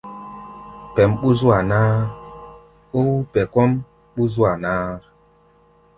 Pɛʼm ɓú-zua-náár ou pɛ kɔ́ʼm ɓú-zúa-náár.